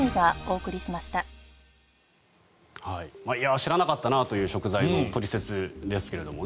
知らなかったなという食材のトリセツですけれどもね。